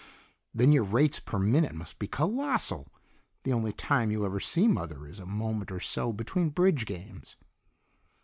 "Then your rates per minute must be colossal! The only time you ever see Mother is a moment or so between bridge games."